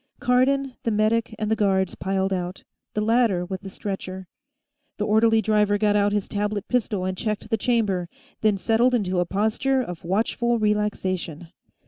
Cardon, the medic and the guards piled out, the latter with the stretcher. The orderly driver got out his tablet pistol and checked the chamber, then settled into a posture of watchful relaxation.